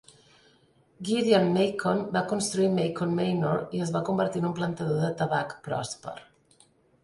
Gideon Macon va construir "Macon Manor" i es va convertir en un plantador de tabac pròsper.